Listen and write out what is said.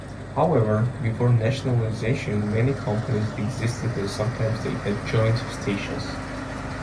However, before nationalisation many companies existed and sometimes they had "joint stations".